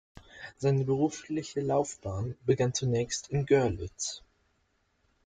Seine berufliche Laufbahn begann zunächst in Görlitz.